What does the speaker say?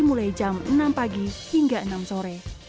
mulai jam enam pagi hingga enam sore